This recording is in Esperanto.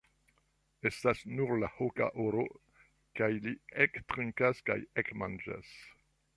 Estas nun la oka horo, kaj li ektrinkas kaj ekmanĝas.